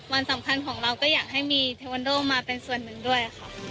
วันสำคัญของเราก็อยากให้มีเทวันโดมาเป็นส่วนหนึ่งด้วยค่ะ